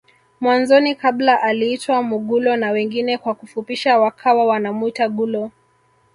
Mwanzoni kabla aliitwa Mugulo na wengine kwa kufupisha wakawa wanamuita gulo